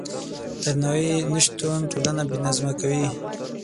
د درناوي نشتون ټولنه بې نظمه کوي.